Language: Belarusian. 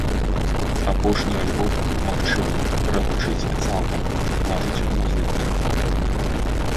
Апошні альбом, магчыма, прагучыць цалкам, кажуць музыкі.